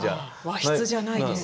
和室じゃないですね。